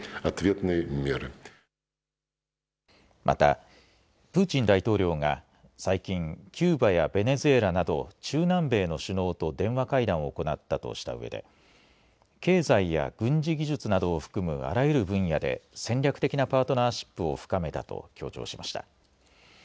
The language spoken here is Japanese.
またプーチン大統領が最近キューバやベネズエラなど中南米の首脳と電話会談を行ったとしたうえで経済や軍事技術などを含むあらゆる分野で戦略的なパートナーシップを深めたと強調しました。